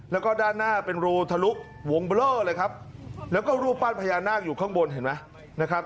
แล้วก็ด้านหน้าเป็นรูทะลุวงเบลอเลยครับแล้วก็รูปปั้นพญานาคอยู่ข้างบนเห็นไหมนะครับ